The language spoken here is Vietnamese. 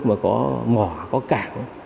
mà có mỏ có cảng